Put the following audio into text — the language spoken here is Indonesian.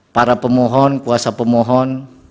para pemohon kuasa pemohon